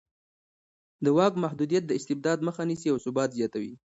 د واک محدودیت د استبداد مخه نیسي او ثبات زیاتوي